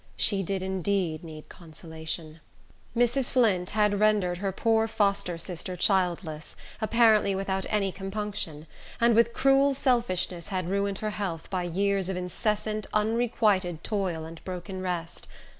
She did indeed need consolation! Mrs. Flint had rendered her poor foster sister childless, apparently without any compunction; and with cruel selfishness had ruined her health by years of incessant, unrequited toil, and broken rest.